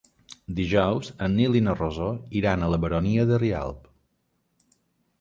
Dijous en Nil i na Rosó iran a la Baronia de Rialb.